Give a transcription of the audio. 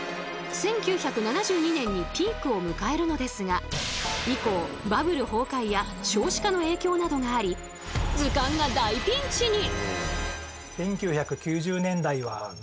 １９７２年にピークを迎えるのですが以降バブル崩壊や少子化の影響などがあり図鑑が大ピンチに！